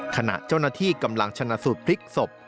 ขณะเจ้าหน้าที่กำลังชนะสูตรพลิกศพ